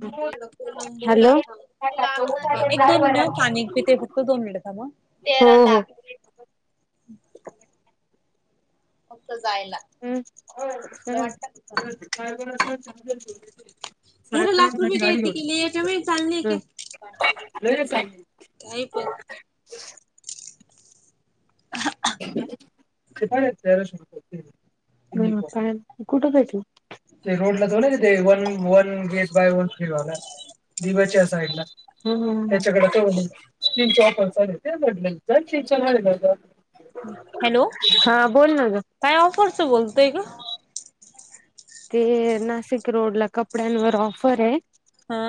म्हणजे लावून बोला हॅलो लागणा झालाय एक दोन मिनीटं आ पाणी पिते फक्त दोन मिनिटं मग हो तेरा हो लाख फक्त जायला. हम् ह का. तेरा लाख रुपये कायती केली याच्या वेळी चालली का. काय पण. [inaudible] परत कर. हो काय कुठं भेटल. ते रोड लाच हो ना त ते one one get buy one free वाला दिवच्या साईड ला. ह त्याच्याकडे ते तीन ची ऑफर चालू तेच म्हटलं. हॅलो हा बोल ना ग काय ऑफरच बोलतोय ग. ते नाशिक रोड ला कपड्यांवर ऑफर आहे. हा.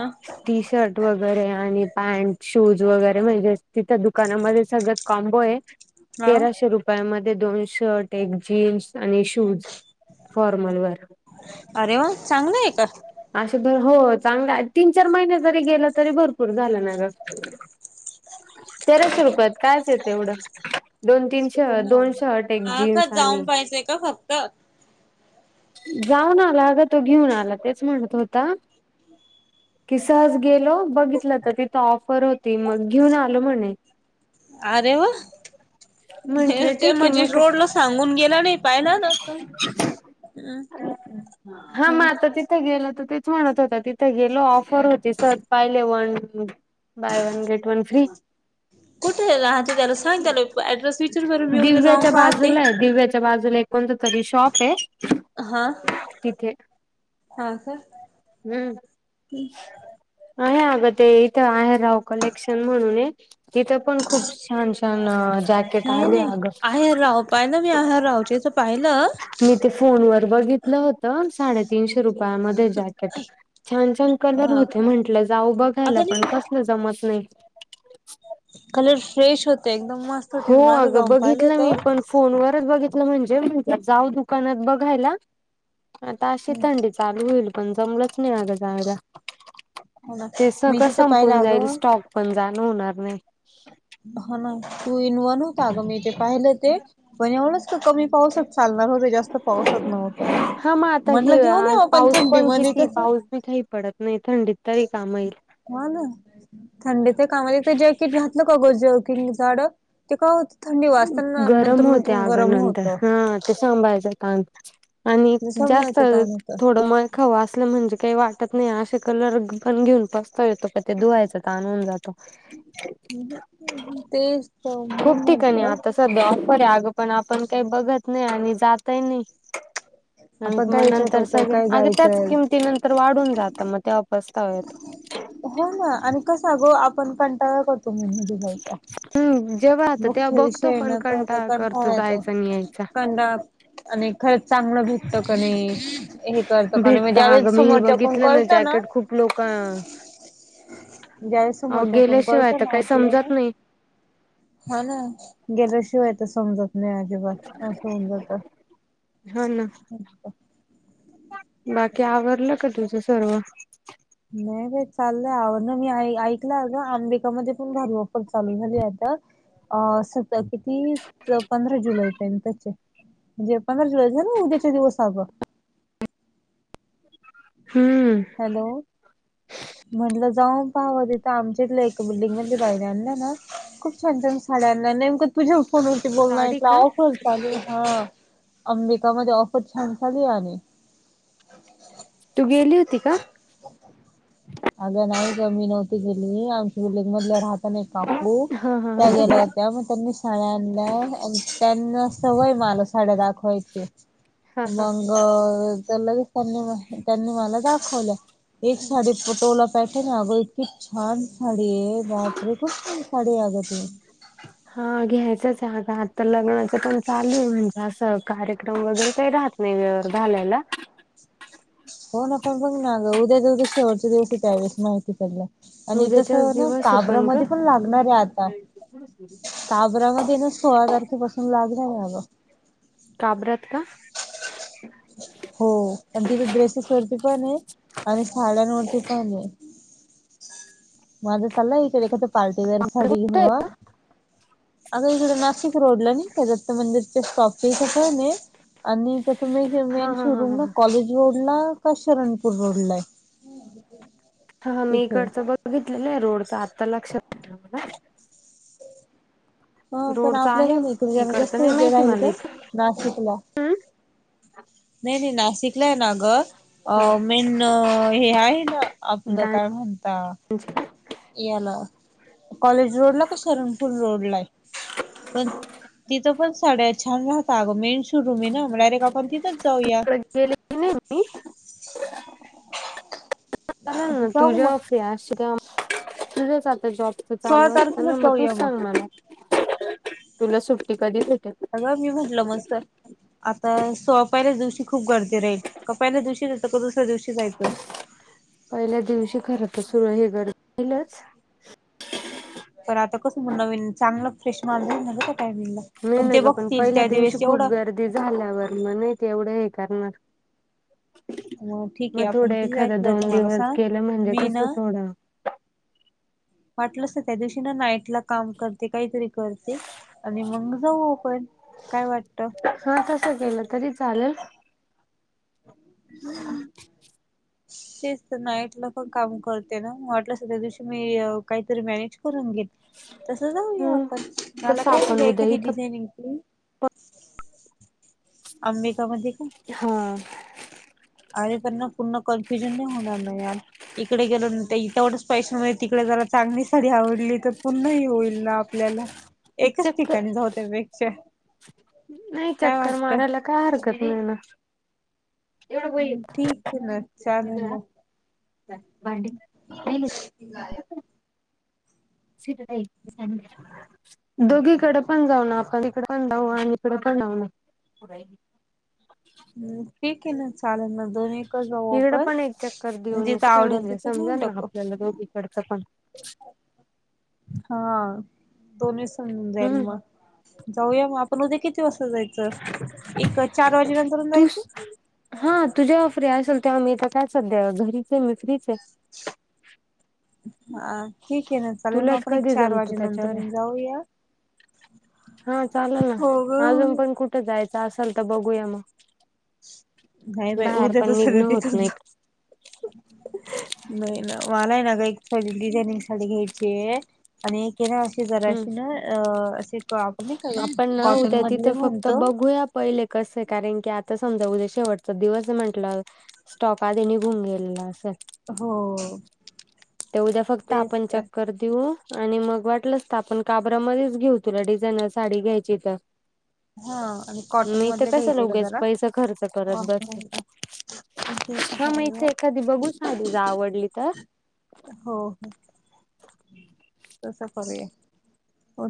टी शर्ट वगैरे आणि पॅन्ट शूज वगैरे म्हणजे तिथं दुकानामध्ये सगळंच. कॉम्बो ए हा तेराशे रुपय. मध्ये दोन शर्ट एक जीन्स आणि शूज फॉर्मल वर. अरे वा चांगलं आहे का. असे बर हो चांगलं तीन चार महिने जरी गेला तरी भरपूर झालं ना ग. तेराशे रुपयात कायच येत एवढं. दोन तीन श दोन शर्ट एक जीन्स आणि.. चे का फक्. त. जाऊन आला अग तो घेऊन आला तेच म्हणत होता. [inaudible] की सहज गेलो बघितलं तर तिथं ऑफर होती मग घेऊन आलो म्हणे. अरे वा हे म्हंटलं ते ठीक आहे म्हणजे मग काय रोड ला सांगून गेला नाही. पाहिला नत हम् हा मग हम्. आता तिथं गेलं तर ते. म्हणत होता तिथे गेलो ऑफर होते सहज पाहिले one. Buy one get one free. कुठे राहते त्याला सांग त्याला ऍड्रेस विचार बर मी उद्या जाऊन दिव्याच्या पाहते. बाजूला आहे दिव्याच्या बाजूला एक कोणत तरी शॉप आहे हा. तिथे. हा का हम्म ह. आहे अगं ते इथं आहे राहू कलेक्शन म्हणून ये तिथं. पण खूप छान छान जॅकेट नाही आले नाही अगं आहेरराव पाहिलं मी आ रावचेच पाहिलं मी ते फोन वर बघितलं होत तीनशे रुपया मध्ये जॅकेट छान छान कलर हा होते का म्हटलं जाऊ बघायला आता पण नाही होय जमत नाही कलर फ्रेश होते एकदम मस्त होते म मागं जाऊन पाहिलं होत [inaudible] फोन वरच बघितलं म्हणजे म्हणल जाऊ दुकानात बघायला आता अशी थंडी चालु होईल पण जमलंच नाही आग हो ना ते मी सगळं तिथं पाहिलं संपुन अगं हा ना टू इन वन होता अग मी ते पाहिलं ते पण एवढंच का कमी पाऊसच चालणार होते जास्त पाऊसच नव्हता हा मग आता म्हटलं घेऊन आपण थंडी मध्ये कस.. मी काही पडत नाही थंडीत तरी काम येईल.. ह ना थंडीच्या कामामध्ये ते जॅकेट घातलं का ग जरकिंग जाड ते काय होत थंडी वाचताना नंतर गरम होते नंतर अगं गरम नंतर होत. हा ते सांभाळायचं आणि जास्त समजायचं ताण होतं थोडं म.. खव असलं म्हणजे काही वाटत नाही असे कलर पण घेऊन पाचतावा येतो पण ते धुवायच ताण होऊन जातो. तेच त खूप म्हणून ठिकाणी म्हटलं आता सध्या ऑफर आहे अगं पण आपण काही बघत नाही आणि जातय नाही आपण मग काय विचार नंतर करतो सगळे काय अगे त्याच जायचंय किमतीनंतर वाढून जात मग तेव्हा पस्तावा येतो हो ना आणि कसं गो आपण कंटाळा करतो मध्ये जायचा हम्म जेव्हा आता तेव्हा मुख्य विषय बघतो पण आहेणा तो करतो कंटाळा येतो जायचा आणि यायचा. कंटाळा आणि खरंच चांगलं भेटत क नाही हे करत काणी म्हण भेटत ज्यावेळे अगं मी हे समोरच्या कोण बघितलं करत ना जॅकेट खूप लोक अहो ज्या वेळेस समोरच्या कडुन गेल्याशिवाय कळत तर ना काही आपल्याला समजत नाही हा ना गेल्या शिवायेत समजत लय अजिबात असं होऊन जातं हा ना. बाकी आवरलं का तुझं सर्व नाही का चाललंय आवरल ना मी ऐकलं अगं आंबिकामध्ये पण भारी आफर चालू झाली आता अ स किती पंधरा जुलै पर्यंत चा ये. म्हणे पंधरा जुलै आहे ना उद्याच्या दिवस अग हम्म हॅलो म्हटलं जाऊन पाहु तिथं आमच्या तिथलं बिल्डिंग मधल्या बाईने आणल्या ना खूप छान छान साड्या आणल्या नेमक तुझ्या फोनवरती बोल ना साडी ऐकल का ऑफर चालु आहे हं अंबिकामध्ये ऑफर छान चालु आहे आणि तु गेली होती का हो अगं नाही ग मी नव्हती गेली आमच्या बिल्डिंग मधल्या राहता ना काकू हा हा त्या हा हा गेल्या होत्या मग त्यांनी साड्या आणल्या त्यांना सवय मला साड्या दाखवायच्या ह हा हा अ लगेच त्यांनी त्यांनी मला दाखवल्या एक साडी पटोला पॅटर्न अग इतकी छान साडी आहे बापरे खूप छान साडी अग ती ह [unintelligible] हा घ्यायचंच आग आता तर लग्नाचं पण चालू आहे म्हणजे असं कार्यक्रम वगैरे काही राहत वेळेवर घालायला. हो ना पण बघ ना उद्या दिवस शेवटचा दिवस हो त्यावेळेशी माहिती पडला आणि तस उद्याच्याच ना दिवस आहे काब्रा ग मध्ये पण लागणार आहे आता काबरामध्ये ना सोळा तारखेपासून लागणार आहे अगं काब्रात का हो आणि तिथं ड्रेसेस वरती पण आहे आणि साड्यांवरती पण आहे. माझा चाललाय विचार एखाद पार्टीवेेअर साडी घेऊ कुठे अ. अग इकड नाशिक रोडला निघ दत्त मंदिरच्या स्टॉप च्या इथे पण आहे. आणि त्या म हा हा हा हा कॉलेज रोड ला का शरणपूर रोड ला आहे. अ हा मी इकडचं बघितलेलं आहे रोडच आत्ता लक्षात मला ह पण रोडच आपल्याला आहे नड जास्त इकडचं नाही हे माहिती राहील मला तर इथं नाशिकला. नाही नाही नाशिकला ना ग अ ह मेन हे आहे ना आपलं काय म्हणता म्हणजे याला कॉलेज रोड ला की शरणपुर रोड ला आहे पण तिथं पण साड्या छान राहतात अग मेन शोरूम आहे न, मग डायरेक्ट आप तिथंच, जाऊया या. [unintelligible] तुझ्या जाऊ मग तुझेच आता जॉबच सोळा चालू असत ना, तारखेलाच मग तूच जाऊया सांग मला, तुला सुट्टी कधी भेटेल? अगं मी म्हटलं मस्त, आता सोपायल्याच दिवशी खूप गर्दी, राहील का पहिल्या दिवशी दुसऱ्या दिवशी जायचं. पहिल्या दिवशी खर तर सुरू, आहे हे गरईलच तर आता कसं मग, नवीन चांगलं फ्रेश माल राहील, ना ग त्या टायमिंगला. नाही [unintelligible] नाही ते ग पण बघतील पहिल्या त्या दिवस दिवशी खूप एवढं, गर्दी झाल्यावर मग नाही, ते एवढं हे करणार, ठीक आहे मग आपण थोडं किती एखाद तारखेला दोन जायचं मला दिवस सांग गेलं, म्हणजे मी कस ना थोडं, वाटलं तर, त्या दिवशी ना नाईटला काम करते काहीतरी करते, आणि मग जाऊ आपण. काय वाटत? हा तसं केलं तरी चालेल, [unintelligible] [unintelligible] तेच तर नाईट ला पण काम करते ना, मग वाटलं स तर त्या दिवशी, मी काहीतरी मॅनेज करून घेल, तस जाऊया हम्म आपण, मला तसं काही नाही आपण का उद्या एखादी इथं डिझाईनिंगची, आंबिका मध्ये का? हा, आणि पुन्हा त्याना, कन्फ्युजन नाही होणार ना यार, इकडे गेलो तेवढंच पैशनमध्ये, तिकडे जरा चांगली साडी आवडली तर, पुन्हा ह होईल ना आपल्याला. एकच चक्कर ठिकाणी जाऊ त्यापेक्षा, नाही काय चक्कर वाटत! मारायला काय हरकत नाही ना, ठीक आहे ना चालेल [unintelligible] भाडे [unintelligible] गाय, [unintelligible] दोघीकडे पण जाऊ ना, आपण इकडे पण जाऊ आणि, इकडे पण जाऊ ना. ह ठीक आहे ना, चालेल मग. दोनेकडं जाऊ इकडं आपण, पण एक चक्कर देऊन येऊ जिथं काय आवडेल म्हणजे तिथे घेऊन समजाल ना टाकऊ, आपल्याला दोघीकडचं पण हा दोन् जाल हम्म मग जाऊया मग आपण, उद्या किती वाजता जायचं? एक चार वाजेनंतर तू जायचं हा तू जेव्हा फ्री असेल, तेव्हा मी तर काय सध्या घरीचे मी फ्रीचे, [inaudible] हा ठीक आहे ना चालेल मग, तुलाच आपण एक कधी चार जमतं वाजे त्याच्यावर नंतर आहे. जाऊया. हा चाल ना, हो अजून ग पण कुठे [unintelligible] जायचं असेल तर बघूया मग, नाही बाई बाहेर उद्या पण निघणं तसंतेथे होत च नाही जाऊ, नाही ना मला आहे ना ग, एक डिझाइनिंग साडी घ्यायची, आणि आणि ना अशी हम्म जराशी ना अ असे, आपण नाही का आपण ना कॉटन उद्या मधले तिथं फक्त म्हणतो. बघूया पहिले कसे आहे, कारण की आता समजा उद्या शेवटचा दिवस म्हंटलं. स्टॉक आधी निघून गेलेला असे. हो ते उद्या फक्त, तेच आपण तर चक्कर देऊ. आणि मग वाटलंस तर, आपण काबरामध्येच घेऊ, तुला डिझाईन साडी घ्यायची तर. हा आणि कॉटन मी तर मधले कसाशा, घ्यायचे का उगीच जरा पैसा खर्च करत बसते, ते तर ह आहे मग हो हिते एखादी बघू साडी जर, आवडली तर. हो, हो तस करूया,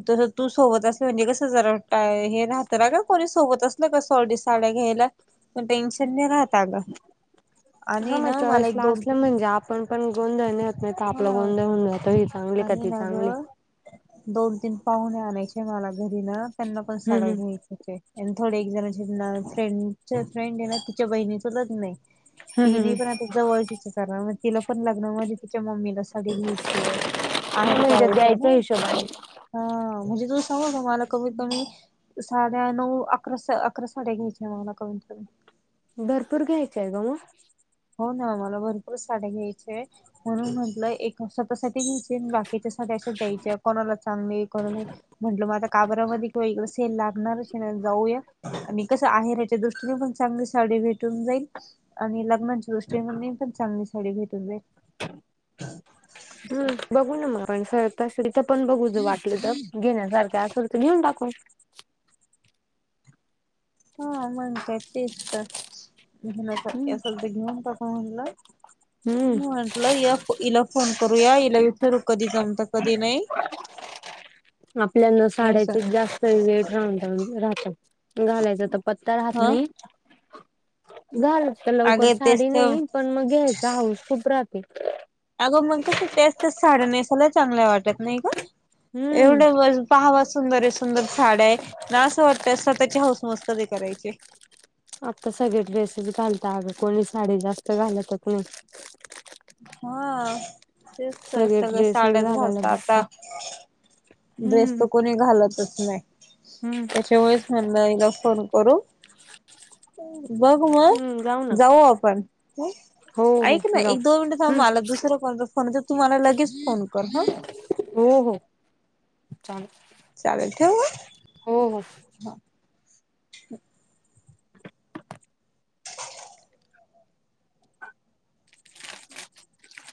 तसं तू सोबत अस, म्हणजे कसं जराय हे, राहत ना का कोणी सोबत असल का, सॉडी साड्या घ्यायला पण टेन्शन नाही राहता अगं, हा आणि मग ना मला चॉईस एक ला दोन असल्या, तीन म्हणजे आपण पण गोंधळ नाही होत, तर आपलं हा गोंधळन जात ही चांगली का आणि ती ना चांगली गं दोन तीन पाहुणे आणायचे मला घरी ना. त्यांना पण हम्म साडी घायची हम्म होते, आणि थोडे एक जण ची फ्रेंड तिचे फ्रेंड आहे ना, तिच्या बहिणीच लग्न आहे हम्म तिने पण हम्म. आत्ता जवळ तिच्या करा म तिला पण, लग्न मध्ये तिच्या मम्मीला साडी घ्यायचीय. आहेर म्हणजे करायचा आहे द्यायच्या नाय, हिशोबाने हा म्हणजे तू सांगू का मला कमीत कमी साड्या नऊ अकरा स-साड्या घ्यायच्यात कमीत कमी. भरपूर घ्यायच आहे गं मग. हो ना, मला भरपूर साड्या घ्यायचे म्हणून म्हटलंय, एक स्वतःसाठी घ्यायची बाकी तिथं सगळ्या असं द्यायच्या, कोणाला चांगले कोणा नाही. म्हटलं मग आता काबरामध्ये किंवा इकड सेल लागणारचयं, जाऊया आणि कसं आहे रेट त्या दृष्टीने पण चांगली साडी भेटून जाईल आणि लग्ना दृष्टी ने पण चांगली साडी भेटून जाईल. असं. हम्म, बघू न येवू मग आपण तसली तिथं पण बघू वाटलं जर घेण्यासारखं असं. घेऊन टाकू. हा, मग काय तेच तर घेण्यासारखे हम्म. असेल तर, असेल तर घेऊन टाकू म्हणलं. हम्म म्हटलं या हिला फोन करू या, हिला विचारू कधी जमत कधी नाही. [unintelligible] आपल्यान असं साड्याचे जास्त रेट राह- राहतात. घालायच तर पत्ता राहात हा नाही, घाल तर लवकर अगे तेच साडी तर नाही पण, मग घ्यायचा हाऊस खूप राहते. अगं मग कसं, त्याच त्याच साड्या नेसायला नाही चांगल्या वाटत नाही का हम्म. एवढं व पहावा सुंदर आहे सुंदर साड्या आहे ना, असं वाटतं स्वतःची हौसमौस कधी करायची. आता सगळे ड्रेसेस घालता अगं, कोणी साडी जास्त घालतचं नाही. हा तेच, तर सगळे सगळ्या ड्रेसेस साड्याच घालायला घालतात बघता. आता. ड्रेस हम्म तर कोणी घालतच नाही, हम्म. त्यांच्यामुळे म्हणलं हिला फोन करू. बघ मग, हम्म ना जाऊ आपण ह हो हो ऐक ना जाऊ एक दोन मिनिट थांब हम्म मला दुसर कोण तर फोन करतयं, तुम्हाला लगेच फोन कर हं. हो हो, चालेल. चालेल ठेवू. हो हो.